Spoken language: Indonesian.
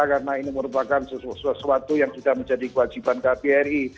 karena ini merupakan sesuatu yang sudah menjadi kewajiban kbri